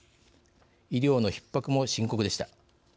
医療のひっ迫も深刻でした。